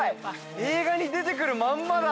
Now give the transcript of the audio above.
映画に出てくるまんまだ！